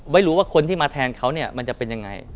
ไม่รู้ว่าคนที่มาแทงเขาเนี่ยมันจะเป็นยังไง